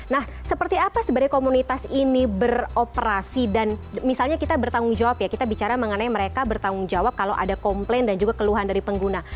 nah seperti apa sebenarnya komunitas ini beroperasi dan misalnya kita bertanggung jawab ya kita bicara mengenai mereka bertanggung jawab kalau ada komplain dan juga keluhan dari pengguna